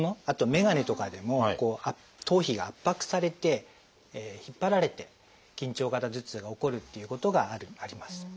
あと眼鏡とかでも頭皮が圧迫されて引っ張られて緊張型頭痛が起こるっていうことがあります。